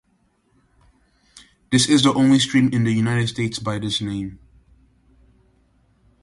This is the only stream in the United States by this name.